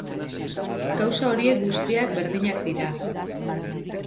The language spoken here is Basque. Gauza horiek guztiak berdinak dira.